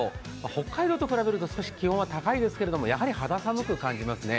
北海道と比べると少し気温は高いですけどやはり肌寒く感じますね。